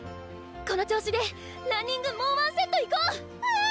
この調子でランニングもう１セットいこう！